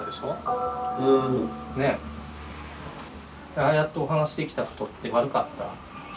ああやってお話しできたことって悪かった？